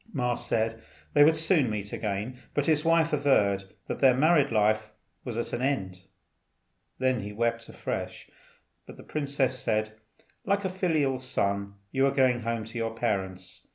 Ma said they would soon meet again; but his wife averred that their married life was at an end. Then he wept afresh, but the princess said, "Like a filial son you are going home to your parents.